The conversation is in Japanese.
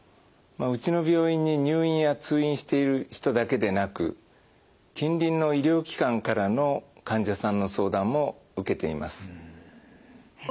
うちの病院に入院や通院している人だけでなく近隣の医療機関からの患者さんの相談も受けています。